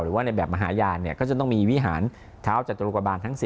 หรือว่าในแบบมหาญาณเนี่ยก็จะต้องมีวิหารเท้าจตุรกบาลทั้ง๑๐